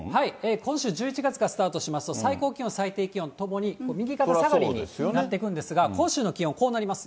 今週１１月がスタートしますと、最高気温、最低気温ともに右肩下がりになっていくんですが、今週の気温、こうなります。